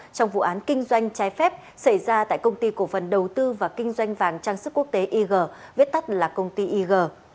trong vụ án kinh doanh trái phép xảy ra tại công ty cổ phần đầu tư và kinh doanh vàng trang sức quốc tế ig viết tắt là công ty ig